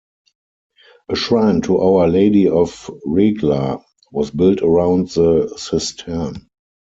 A Shrine to Our Lady of Regla was built around the cistern.